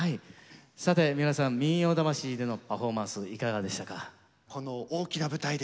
さて皆さん「民謡魂」でのパフォーマンスいかがでしたか？